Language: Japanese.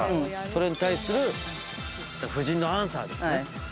それに対する夫人のアンサーですね。